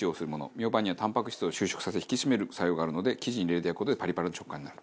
ミョウバンにはたんぱく質を収縮させ引き締める作用があるので生地に入れて焼く事でパリパリの食感になると。